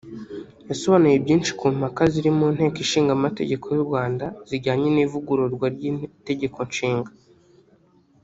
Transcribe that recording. yasobanuye byinshi ku mpaka ziri mu Nteko Ishinga Amategeko y’ u Rwanda zijyanye n’ivugururwa ry’Itegeko Nshinga